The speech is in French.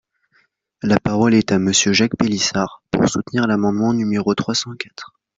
La parole est à Monsieur Jacques Pélissard, pour soutenir l’amendement numéro trois cent quatre.